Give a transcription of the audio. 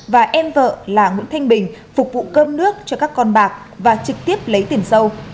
và em vợ là nguyễn thanh bình phục vụ cơm nước cho các con bạc và trực tiếp lấy tiền sâu